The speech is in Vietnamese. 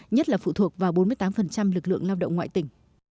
nhất là phụ thuộc vào bốn mươi tám lực lượng lao động ngoại tỉnh